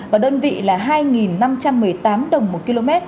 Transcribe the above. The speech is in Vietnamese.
và đơn vị là hai năm trăm một mươi tám đồng một km